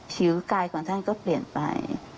ผิวกายของท่านก็เปลี่ยนไป